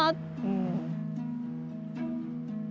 うん。